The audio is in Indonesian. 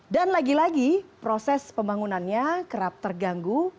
dan lagi lagi proses pembangunannya kerap terganggu